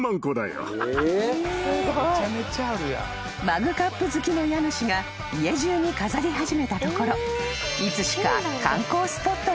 ［マグカップ好きの家主が家中に飾り始めたところいつしか］